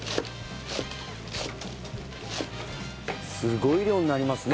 すごい量になりますね